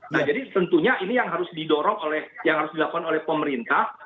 nah jadi tentunya ini yang harus dilakukan oleh pemerintah